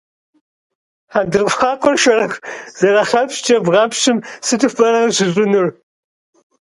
Хьэндыркъуакъуэр шэрхъ зэрагъэпщкӏэ бгъэпщым сыту пӏэрэ къыщыщӏынур?